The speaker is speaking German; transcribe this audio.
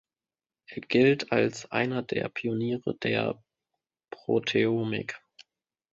Er gilt als einer der Pioniere der Proteomik.